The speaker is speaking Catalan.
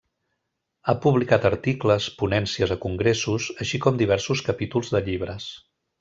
Ha publicat articles, ponències a congressos, així com diversos capítols de llibres.